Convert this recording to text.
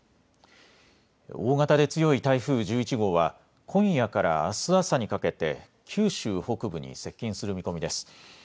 大型で強い台風１１号は今夜からあす朝にかけて九州北部に接近する見込みです。